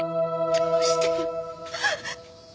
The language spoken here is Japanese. どうして。